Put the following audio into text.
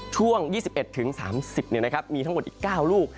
ช่วง๒๑๓๐ทั้งหมด๙ลูก